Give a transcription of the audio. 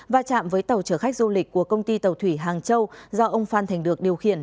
và chạm với tàu chở khách du lịch của công ty tàu thủy hàng châu do ông phan thành được điều khiển